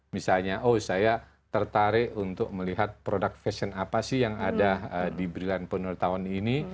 misalnya oh saya tertarik untuk melihat produk fashion apa sih yang ada di brilliantpreneur tahun ini